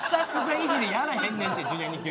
いじりやらへんねんって「Ｊｒ．にＱ」。